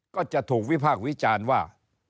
ก็จะถูกวิพากษ์วิจารณ์ว่า